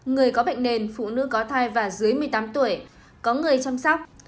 người có bệnh nền phụ nữ có thai và dưới một mươi tám tuổi có người chăm sóc